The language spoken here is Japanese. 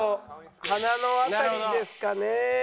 鼻の辺りですかね？